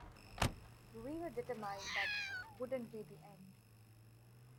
We were determined that wouldn't be the end.